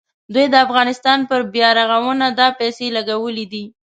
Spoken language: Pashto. دوی د افغانستان پر بیارغونه دا پیسې لګولې دي.